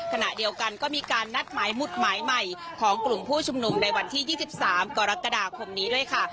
ขณะเดียวกันก็มีการนัดหมายหมุดหมายใหม่ของกลุ่มผู้ชุมนุมในวันที่๒๓กรกฎาคมนี้ด้วยค่ะ